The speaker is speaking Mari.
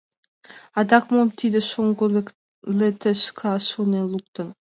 Адак мом тиде шоҥго летешка шонен луктын?